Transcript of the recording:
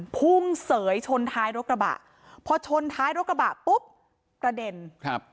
พุ่งเสยชนท้ายรถกระบะพอชนท้ายรถกระบะปุ๊บกระเด็นครับ